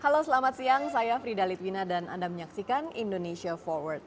halo selamat siang saya frida litwina dan anda menyaksikan indonesia forward